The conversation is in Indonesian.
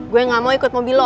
gue gak mau ikut mobil lo